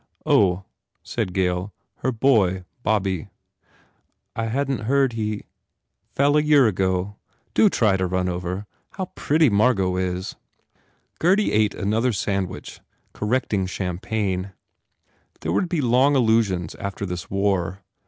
"Oh," said Gail, "her boy Bobby." "I hadn t heard he "Fell a year ago. Do try to run over. ... How pretty Margot is !" Gurdy ate another sandwich, correcting cham ill THE FAIR REWARDS pagne. There would be long illusions after this war.